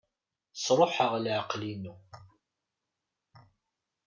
Sṛuḥeɣ leɛqel-inu.